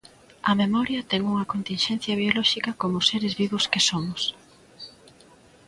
A memoria ten unha continxencia biolóxica como seres vivos que somos.